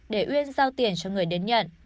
để uyên giao tiền cho người đến nhận